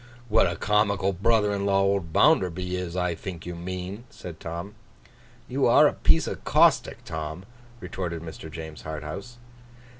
'What a comical brother in law old Bounderby is, I think you mean,' said Tom. 'You are a piece of caustic, Tom,' retorted Mr. James Harthouse.